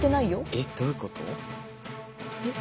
えっどういうこと？